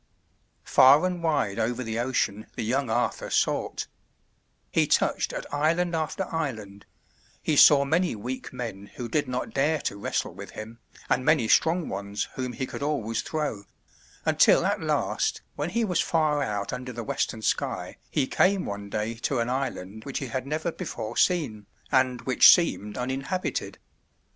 Far and wide over the ocean the young Arthur sought; he touched at island after island; he saw many weak men who did not dare to wrestle with him, and many strong ones whom he could always throw, until at last when he was far out under the western sky, he came one day to an island which he had never before seen and which seemed uninhabited.